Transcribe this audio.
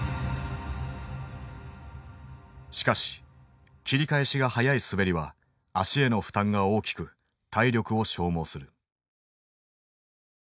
しかし切り返しが速い滑りは足への負担が大きく体力を消耗する。